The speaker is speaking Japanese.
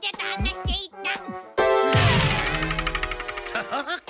そうか。